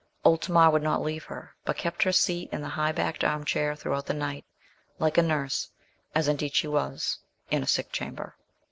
Old Tamar would not leave her, but kept her seat in the high backed arm chair throughout the night, like a nurse as indeed she was in a sick chamber.